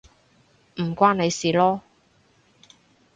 唔關你事囉